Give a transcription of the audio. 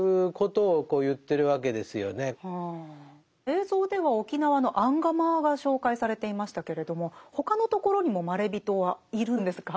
映像では沖縄のアンガマアが紹介されていましたけれども他のところにもまれびとはいるんですか？